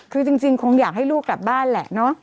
คือจริงคงอยากให้ลูกกลับบ้านแหละเนอะ